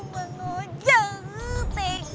bang hojang tega